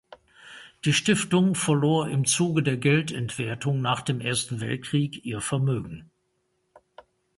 Die Stiftung verlor im Zuge der Geldentwertung nach dem Ersten Weltkrieg ihr Vermögen.